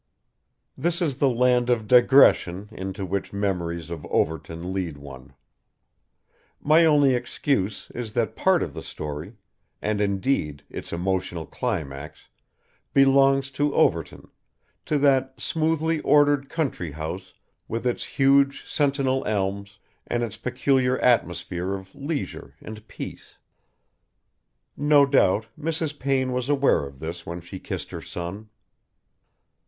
This is the land of digression into which memories of Overton lead one. My only excuse is that part of the story, and indeed its emotional climax belongs to Overton, to that smoothly ordered country house with its huge sentinel elms and its peculiar atmosphere of leisure and peace. No doubt Mrs. Payne was aware of this when she kissed her son.